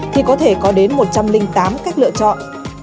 thì có thể có đến một trăm linh tám cách lựa chọn